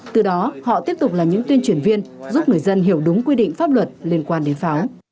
từ đó họ tiếp tục là những tuyên truyền viên giúp người dân hiểu đúng quy định pháp luật liên quan đến pháo